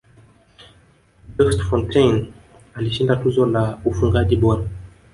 juste fontaine alishinda tuzo ya ufungaji bora